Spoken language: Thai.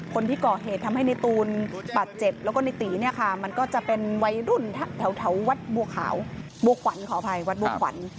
คนที่ก่อเหตุทำให้ในตูนบาดเจ็บและในตีจะเป็นวัยรุ่นแถววัดบัวขวร